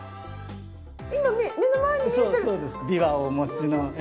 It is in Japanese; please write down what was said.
今目の前に見えてる？